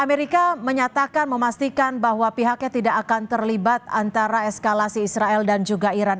amerika menyatakan memastikan bahwa pihaknya tidak akan terlibat antara eskalasi israel dan juga iran